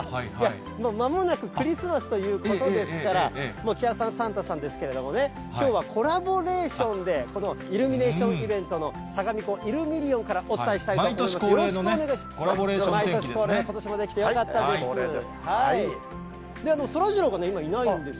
まもなくクリスマスということですから、もう木原サンタさんですけどね、きょうはコラボレーションで、このイルミネーションイベントのさがみ湖イルミニオンからお伝え毎年恒例のね、コラボレーシよろしくお願いいたします。